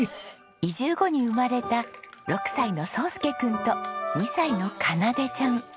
移住後に生まれた６歳の奏介君と２歳の花奏ちゃん。